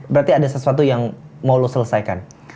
berarti ada sesuatu yang mau lo selesaikan